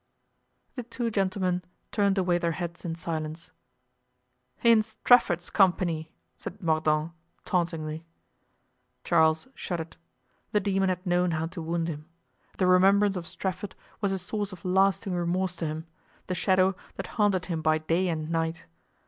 The two gentlemen turned away their heads in silence. "In Strafford's company," said Mordaunt, tauntingly. Charles shuddered. The demon had known how to wound him. The remembrance of Strafford was a source of lasting remorse to him, the shadow that haunted him by day and night.